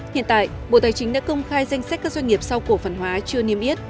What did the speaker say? hiện tại bộ tài chính đã công khai danh sách các doanh nghiệp sau cổ phần hóa chưa niêm yết